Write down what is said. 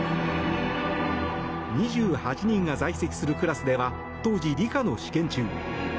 ２８人が在籍するクラスでは当時、理科の試験中。